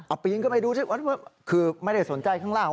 อาบปีนก็ไม่ดูคือไม่ได้สนใจข้างล่าง